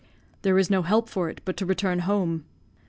"There is no help for it but to return home."